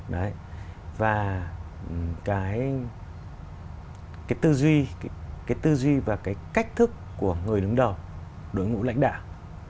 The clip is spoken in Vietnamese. đấy và cái tư duy cái tư duy và cái cách thức của người đứng đầu đối ngũ lãnh đạo